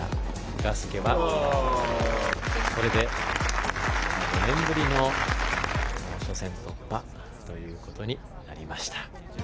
ガスケはこれで５年ぶりの初戦突破ということになりました。